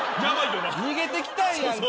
逃げてきたんやんか。